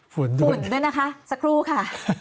ฝุ่นด้วยนะคะสักครู่ค่ะ